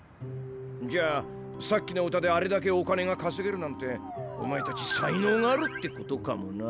じゃあさっきの歌であれだけお金がかせげるなんてお前たち才能があるってことかもな。